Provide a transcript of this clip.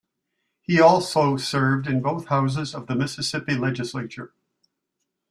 He also served in both houses of the Mississippi Legislature.